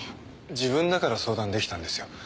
自分だから相談できたんですよ。